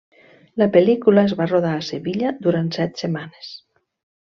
La pel·lícula es va rodar a Sevilla durant set setmanes.